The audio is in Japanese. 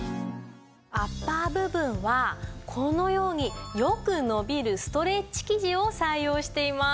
アッパー部分はこのようによく伸びるストレッチ生地を採用しています。